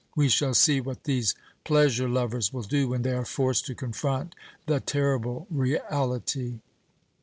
We shall see what these pleasure lovers will do when they are forced to confront, the terrible reality."